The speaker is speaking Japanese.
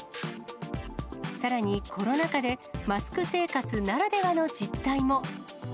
さらに、コロナ禍でマスク生活ならではの実態も。